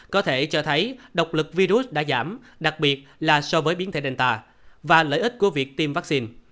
có thể cho thấy độc lực virus đã giảm đặc biệt là so với biến thể danta và lợi ích của việc tiêm vaccine